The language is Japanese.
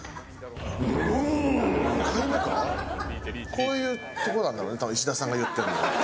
こういうところなんだろうね石田さんが言ってんの。